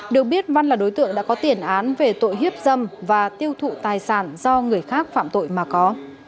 được biết văn là đối tượng đã có tiền án về tội hiếp dâm và tiêu thụ tài sản do người khác phạm tội mà có